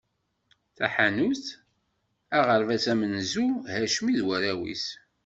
Taḥanut, aɣerbaz amenzu Hacmi d warraw-is.